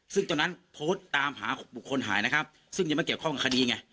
ซึ่งตอนนั้นโพสต์ตามหาบุคคลหายนะครับซึ่งยังไม่เกี่ยวข้องกับคดีไง